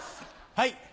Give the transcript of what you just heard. はい。